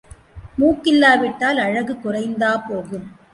மூக்கில்லா விட்டால் அழகு குறைந்தா போகும்?